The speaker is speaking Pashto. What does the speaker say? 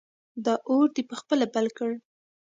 دا اور دې په خپله بل کړ!